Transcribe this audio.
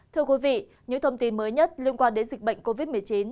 thưa quý vị những thông tin mới nhất liên quan đến dịch bệnh covid một mươi chín